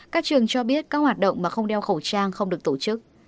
các trường cho biết các hoạt động mà không đeo khẩu trang không được tổ chức